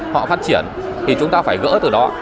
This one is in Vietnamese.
họ phát triển thì chúng ta phải gỡ từ đó